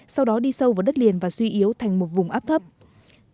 sau đó đi sâu vào đất liền và suy yếu thành áp thấp nhiệt đới